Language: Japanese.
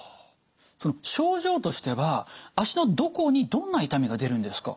その症状としては足のどこにどんな痛みが出るんですか？